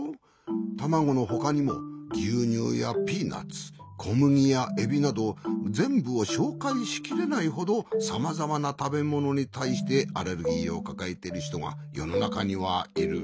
たまごのほかにもぎゅうにゅうやピーナツこむぎやエビなどぜんぶをしょうかいしきれないほどさまざまなたべものにたいしてアレルギーをかかえてるひとがよのなかにはいる。